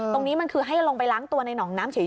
ตรงนี้มันคือให้ลงไปล้างตัวในหนองน้ำเฉย